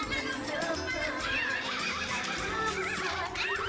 tuh dia tuh